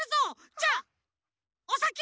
じゃあおさき！